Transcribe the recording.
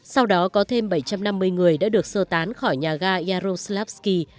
sau đó có thêm bảy trăm năm mươi người đã được sơ tán khỏi nhà ga yaroslavsky